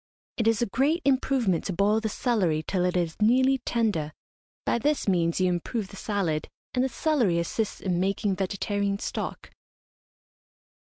It is a great improvement to boil the celery till it is nearly tender. By this means you improve the salad, and the celery assists in making vegetarian stock.